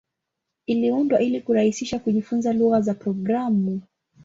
Iliundwa ili kurahisisha kujifunza lugha za programu.